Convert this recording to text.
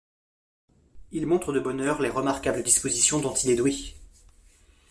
Il montre de bonne heure les remarquables dispositions dont il est doué.